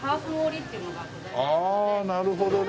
ああなるほどね。